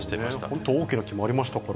本当、大きな木もありました